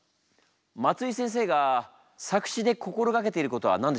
松井先生が作詞で心掛けていることは何でしょうか？